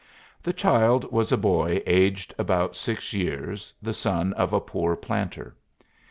The child was a boy aged about six years, the son of a poor planter.